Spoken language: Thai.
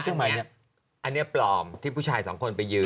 จริงว่าอันนี้อันนี้ปลอมที่ผู้ชายสามคนไปยืด